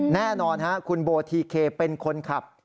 แน่นอนคุณโบทีเคเป็นคนขับ